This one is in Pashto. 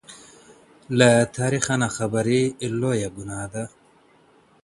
له تاریخه ناخبري لویه ګناه ده